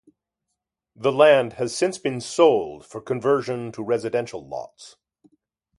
The land has since been sold for conversion to residential lots.